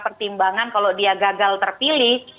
pertimbangan kalau dia gagal terpilih